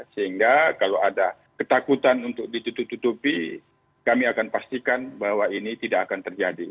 sehingga kalau ada ketakutan untuk ditutupi kami akan pastikan bahwa ini tidak akan terjadi